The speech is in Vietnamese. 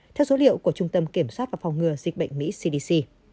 theo số liệu của trung tâm kiểm soát và phòng ngừa dịch bệnh mỹ cdc